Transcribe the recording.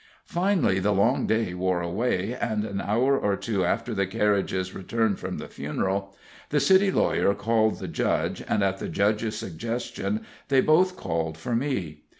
Finally the long day wore away, and an hour or two after the carriages returned from the funeral, the city lawyer called the judge, and, at the judge's suggestion, they both called for me.